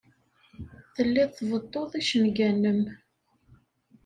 Telliḍ tbeḍḍuḍ icenga-nnem.